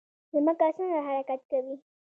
ځمکه څنګه حرکت کوي؟